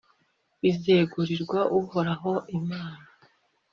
bizegurirwe Uhoraho Imana